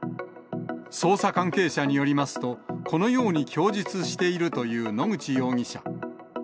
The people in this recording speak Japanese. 捜査関係者によりますと、このように供述しているという野口容疑者。